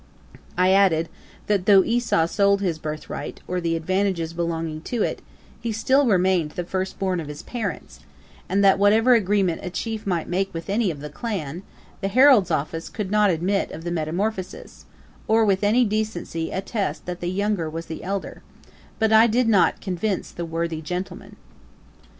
I added, that though Esau sold his birth right, or the advantages belonging to it, he still remained the first born of his parents; and that whatever agreement a Chief might make with any of the clan, the Herald's Office could not admit of the metamorphosis, or with any decency attest that the younger was the elder; but I did not convince the worthy gentleman.